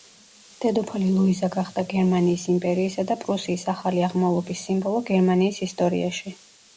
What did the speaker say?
დედოფალი ლუიზა გახდა გერმანიის იმპერიისა და პრუსიის ახალი აღმავლობის სიმბოლო გერმანიის ისტორიაში.